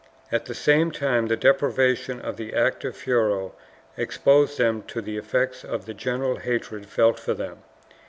At the same time the deprivation of the active fuero exposed them to the effects of the general hatred felt for them.